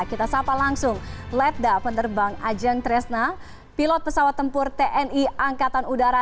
kita sapa langsung letda penerbang ajeng tresna pilot pesawat tempur tni angkatan udara